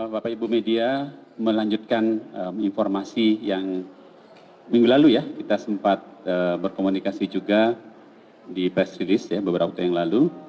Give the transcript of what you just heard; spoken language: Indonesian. bapak ibu media melanjutkan informasi yang minggu lalu ya kita sempat berkomunikasi juga di press release beberapa waktu yang lalu